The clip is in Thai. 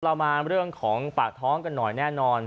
เรามาเรื่องของปากท้องกันหน่อยแน่นอน